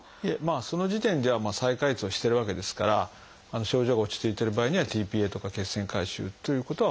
その時点では再開通をしてるわけですから症状が落ち着いてる場合にはｔ−ＰＡとか血栓回収ということは行いません。